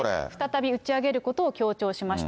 打ち上げることを強調しました。